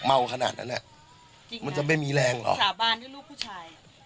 ขนาดนั้นอ่ะจริงมันจะไม่มีแรงเหรอสาบานด้วยลูกผู้ชายอ่ะ